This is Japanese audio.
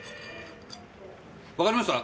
わかりました！